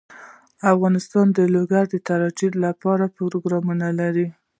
افغانستان د لوگر د ترویج لپاره پروګرامونه لري.